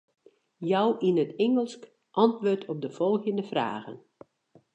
Jou yn it Ingelsk antwurd op de folgjende fragen.